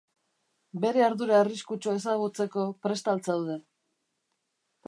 Bere ardura arriskutsua ezagutzeko prest al zaude?